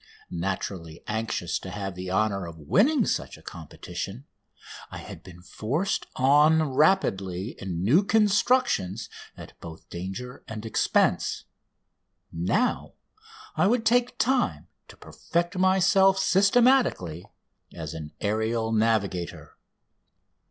Naturally anxious to have the honour of winning such a competition, I had been forced on rapidly in new constructions at both danger and expense. Now I would take time to perfect myself systematically as an aerial navigator.